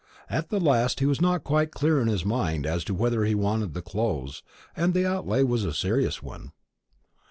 At the last he was not quite clear in his mind as to whether he wanted the clothes, and the outlay was a serious one.